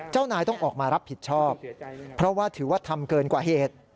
เจ้านายต้องออกมารับผิดชอบเพราะว่าถือว่าทำเกินกว่าเหตุ